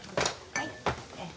はい。